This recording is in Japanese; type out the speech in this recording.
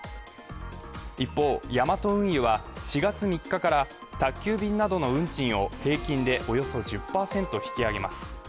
一方、ヤマト運輸は４月３日から宅急便などの運賃を平均でおよそ１０％引き上げます。